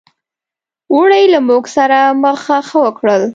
اوړي له موږ سره مخه ښه وکړل.